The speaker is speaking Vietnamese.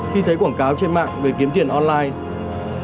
khi thấy quảng cáo trên mạng về kiếm tiền online